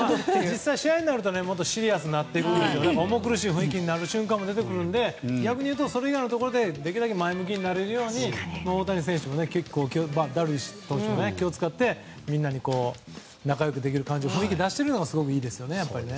実際、試合になるともっとシリアスになって重苦しい雰囲気になる瞬間も出てくるのでそれ以外の部分ではできるだけ前向きになれるように大谷選手もダルビッシュ投手も気を使ってみんな仲良くできるような雰囲気を出しているのがすごくいいですよね。